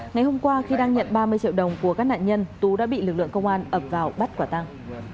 ngày hôm qua khi đang nhận ba mươi triệu đồng của các nạn nhân tú đã bị lực lượng công an ập vào bắt quả tăng